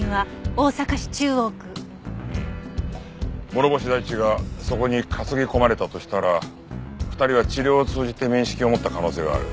諸星大地がそこに担ぎ込まれたとしたら２人は治療を通じて面識を持った可能性がある。